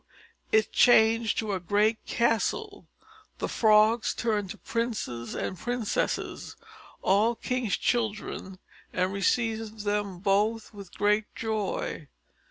it changed to a great castle; the frogs turned to princes and princesses, all kings' children, and received them both with great joy.